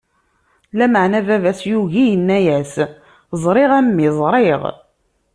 Lameɛna baba-s yugi, inna-as: Ẓriɣ, a mmi, ẓriɣ.